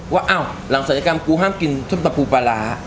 ว่าหลังศัลยกรรมกูห้ามกินชมตำปูปลาร้า